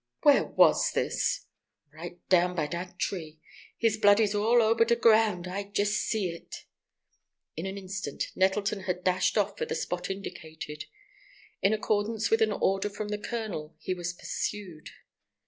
"Where was this?" "Rite down by dat tree. His blood is all ober de ground; I jest see it." In an instant Nettleton had dashed off for the spot indicated. In accordance with an order from the colonel he was pursued.